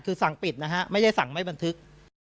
คือสั่งปิดนะฮะไม่ใช่สั่งไม่บันทึก